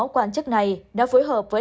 quan chức này đã phối hợp với